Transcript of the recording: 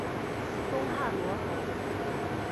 东汉罗侯。